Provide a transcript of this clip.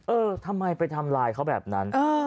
เออทำไมไปทำลายเขาแบบนั้น